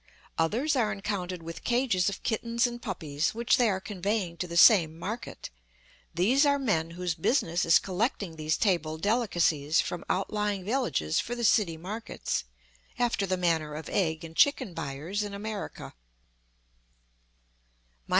Others are encountered with cages of kittens and puppies, which they are conveying to the same market. These are men whose business is collecting these table delicacies from outlying villages for the city markets, after the manner of egg and chicken buyers in America.